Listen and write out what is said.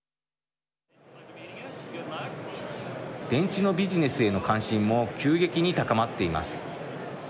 電池のビジネスへの関心も急激に高まっています。